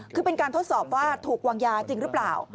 คือเป็นการทดสอบว่าถูกวางยาจริงหรือเปล่า